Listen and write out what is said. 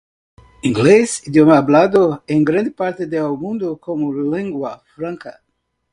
Inglés - idioma hablado en gran parte del mundo como lengua franca.